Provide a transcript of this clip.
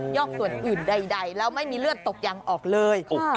อกส่วนอื่นใดแล้วไม่มีเลือดตกยังออกเลย